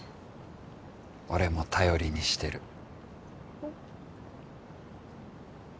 俺も頼りにしてるえっ？